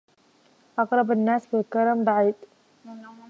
أقرب الناس بالكرام بعيد